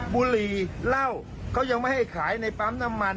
บุหรี่เหล้าเขายังไม่ให้ขายในปั๊มน้ำมัน